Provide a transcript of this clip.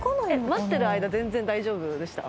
待ってる間全然大丈夫でした？